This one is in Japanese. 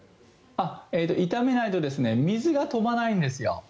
炒めないと水が飛ばないんですよ。